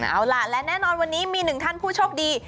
เอาล่ะและแน่นอนวันนี้มีหนึ่งท่านผู้โชคดี